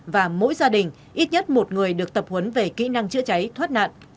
và mỗi gia đình ít nhất một người được tập huấn về kỹ năng chữa cháy thoát nạn